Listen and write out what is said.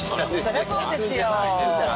そりゃそうですよ。